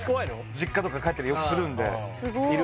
実家とか帰ったりよくするんでいる？